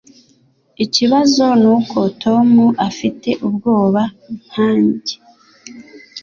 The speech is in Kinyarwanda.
Ikibazo nuko Tom afite ubwoba nkanjye